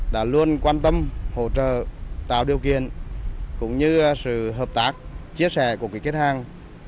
đã luôn quan tâm hỗ trợ tạo điều kiện cũng như sự hợp tác chia sẻ của quý kết hàng